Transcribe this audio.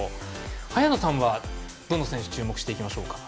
早野さんは、どの選手に注目していきましょうか。